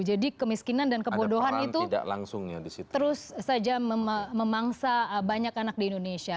jadi kemiskinan dan kebodohan itu terus saja memangsa banyak anak di indonesia